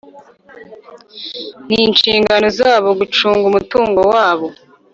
N’inshingano zabo gucunga umutungo wabo.